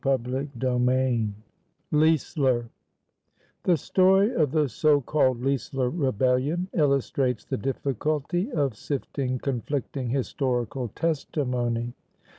CHAPTER IX LEISLER The story of the so called Leisler Rebellion illustrates the difficulty of sifting conflicting historical testimony.